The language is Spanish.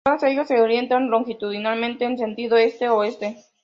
Todas ellas se orientan longitudinalmente en sentido este-oeste.